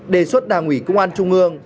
đề xuất đảng ủy công an trung ương